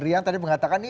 yang tadi mengatakan